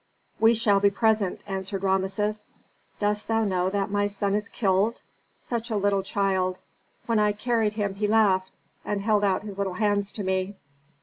"We shall be present," answered Rameses. "Dost thou know that my son is killed? such a little child. When I carried him he laughed and held out his little hands to me.